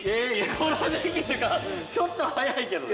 この時期っていうかちょっと早いけどね。